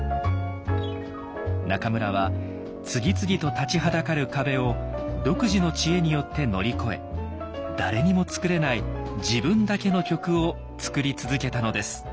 中村は次々と立ちはだかる壁を独自の知恵によって乗り越え誰にも作れない自分だけの曲を作り続けたのです。